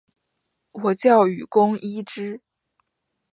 我叫雨宫伊织！